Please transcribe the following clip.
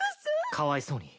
かわいそうに。